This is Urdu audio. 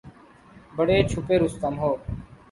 بڑے چھپے رستم ہو